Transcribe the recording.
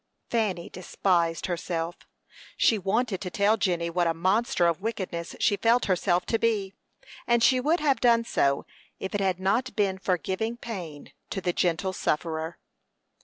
Fanny despised herself. She wanted to tell Jenny what a monster of wickedness she felt herself to be, and she would have done so if it had not been for giving pain to the gentle sufferer.